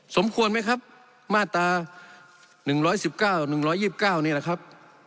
สมควรไหมครับมาตรา๑๑๙๑๒๙นี่แหละครับ